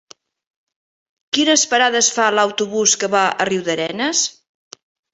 Quines parades fa l'autobús que va a Riudarenes?